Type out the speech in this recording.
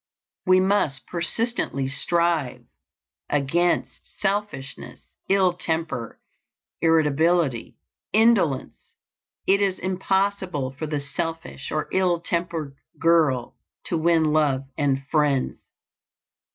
We must persistently strive against selfishness, ill temper irritability, indolence. It is impossible for the selfish or ill tempered girl to win love and friends.